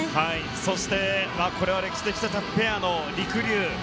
そしてこれは歴史的なペアの金りくりゅう。